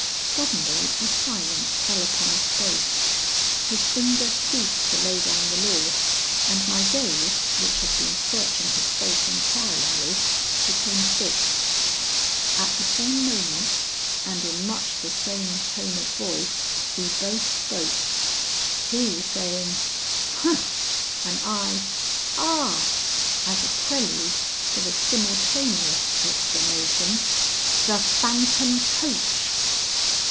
Suddenly a silence fell upon us both. His finger ceased to lay down the law, and my gaze, which had been searching his face inquiringly, became fixed. At the same moment and in much the same tone of voice we both spoke, he saying, "Humph!" and I, "Ah!" as a prelude to the simultaneous exclamation: "The phantom coach!"